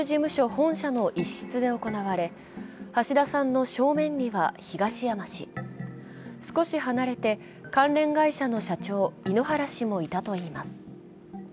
本社の一室で行われ、橋田さんの正面には東山氏、少し離れて関連会社の社長、井ノ原氏もいたといいます。